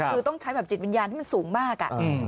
คือต้องใช้แบบจิตวิญญาณที่มันสูงมาก